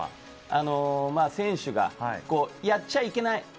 選手がやっちゃいけない。